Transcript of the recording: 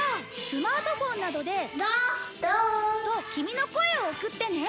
スマートフォンなどで。とキミの声を送ってね。